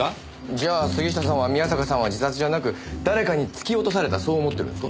じゃあ杉下さんは宮坂さんは自殺じゃなく誰かに突き落とされたそう思ってるんですか？